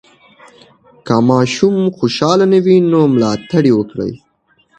که ماشوم خوشحاله نه وي، ملاتړ یې وکړئ.